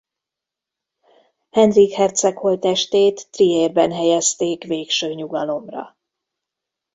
Henrik herceg holttestét Trierben helyezték végső nyugalomra.